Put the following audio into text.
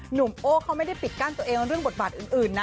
หนุ่มโอ้เขาไม่ได้ปิดกั้นตัวเองเรื่องบทบาทอื่นนะ